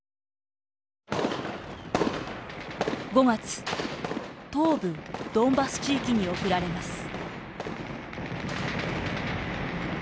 ５月東部ドンバス地域に送られます。